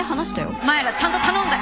お前らちゃんと頼んだよ。